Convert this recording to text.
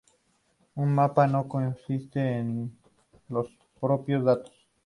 Un mapa no consiste en los propios datos.